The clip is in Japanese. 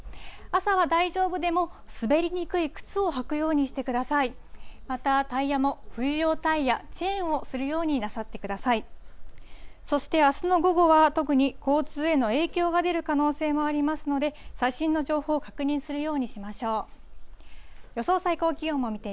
朝は大丈夫でも、滑りにくい靴を履くようにしてください。